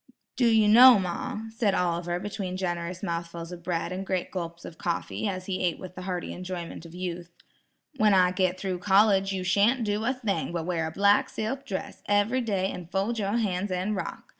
"Do you know, ma," said Oliver between generous mouthfuls of bread and great gulps of coffee, as he ate with the hearty enjoyment of youth, "when I get through college, you shan't do a thing but wear a black silk dress every day and fold your hands and rock.